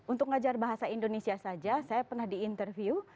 untuk ngajar bahasa indonesia saja saya pernah diinterview